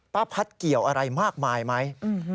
ป้าพัดเกี่ยวอะไรมากมายไหม